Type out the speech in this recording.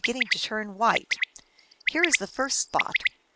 ginning to turn white. Here is the first spot.